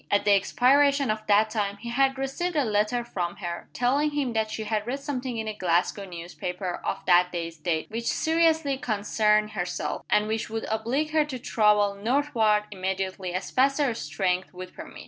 At the expiration of that time he had received a letter from her, telling him that she had read something in a Glasgow newspaper, of that day's date, which seriously concerned herself, and which would oblige her to travel northward immediately as fast as her strength would permit.